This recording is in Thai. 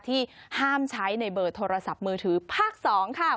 ที่ห้ามใช้ในเบอร์โทรศัพท์มือถือภาค๒ค่ะ